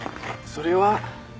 それは。